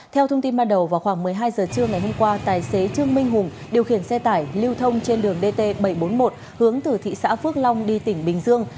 theo thông tin ban đầu vào khoảng một mươi hai giờ trưa ngày hôm qua tài xế trương minh hùng điều khiển xe tải lưu thông trên đường dt bảy trăm bốn mươi một hướng từ thị xã phước long đi tỉnh bình dương